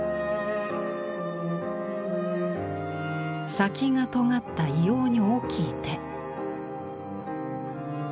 先がとがった異様に大きい手。